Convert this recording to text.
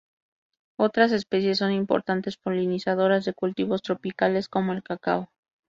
Otras especies son importantes polinizadores de cultivos tropicales como el cacao.